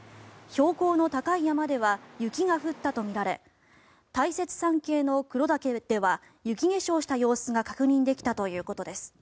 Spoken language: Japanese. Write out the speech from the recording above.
標高の高い山では雪が降ったとみられ大雪山系の黒岳では雪化粧した様子が確認できたということです。